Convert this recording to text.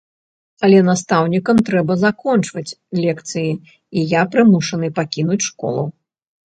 Але настаўнікам трэба закончваць лекцыі, і я прымушаны пакінуць школу.